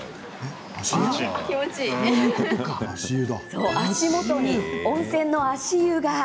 そう、足元に温泉の足湯が！